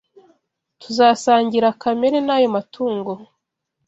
tuzasangira kamere n’ayo matungo